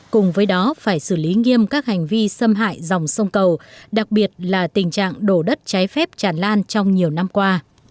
cùng với đó phải xử lý nghiêm các hành vi xâm hại dòng sông cầu đặc biệt là tình trạng đổ đất trái phép tràn lan trong nhiều năm qua